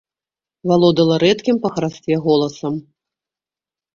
Валодала рэдкім па харастве голасам.